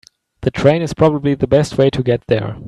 The train is probably the best way to get there.